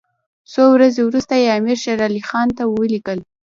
څو ورځې وروسته یې امیر شېر علي خان ته ولیکل.